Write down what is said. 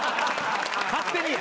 勝手にや。